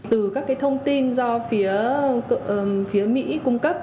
từ các thông tin do phía mỹ cung cấp